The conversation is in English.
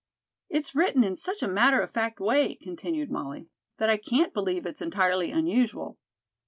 "It's written in such a matter of fact way," continued Molly, "that I can't believe it's entirely unusual.